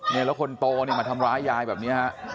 แล้วคนโตมาทำร้ายยายแบบนี้